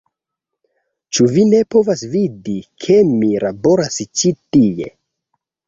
Ĉu vi ne povas vidi, ke mi laboras ĉi tie